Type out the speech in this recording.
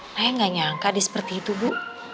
naya gak nyangka dia seperti itu bu